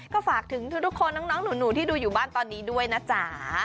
ก็ฝากถึงทุกคนน้องหนูที่ดูอยู่บ้านตอนนี้ด้วยนะจ๊ะ